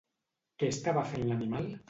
Què estava fent l'animal?